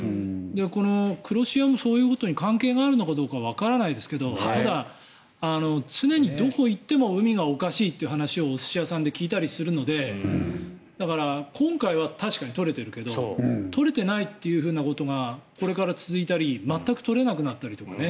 この黒潮もそういうことに関係があるのかどうかはわからないですがただ、常にどこに行っても海がおかしいという話をお寿司屋さんで聞いたりするのでだから、今回は確かに取れているけど取れていないというふうなことがこれから続いたり全く取れなくなったりとかね。